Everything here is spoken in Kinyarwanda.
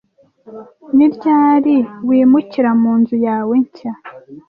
Ni ryari wimukira mu nzu yawe nshya?